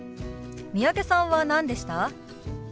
三宅さんは何でした？